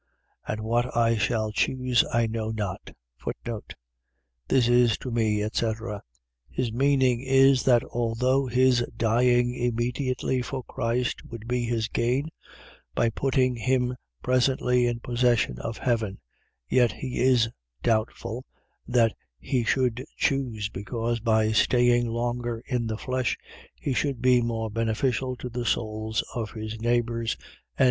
And what I shall choose I know not. This is to me, etc. . .His meaning is, that although his dying immediately for Christ would be his gain, by putting him presently in possession of heaven; yet he is doubtful what he should choose, because by staying longer in the flesh, he should be more beneficial to the souls of his neighbours. 1:23.